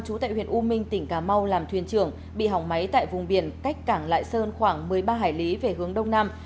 chú tại huyện u minh tỉnh cà mau làm thuyền trưởng bị hỏng máy tại vùng biển cách cảng lại sơn khoảng một mươi ba hải lý về hướng đông nam